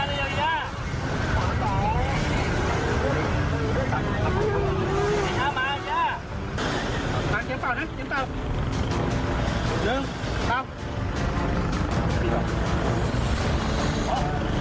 นากยิงเปล่าไหมยิงเปล่า